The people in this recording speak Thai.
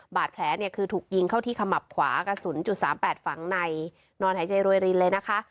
บาดแผลเนี่ยคือถูกยิงเข้าที่ขมับขวากระสุนจุดสามแปดฝังในนอนหายใจรวยรินเลยนะคะ